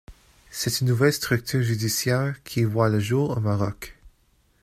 C’est une nouvelle structure judiciaire qui voit le jour au Maroc.